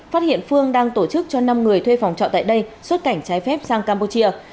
phát hiện phương đang tổ chức cho năm người thuê phòng trọ tại đây xuất cảnh trái phép sang campuchia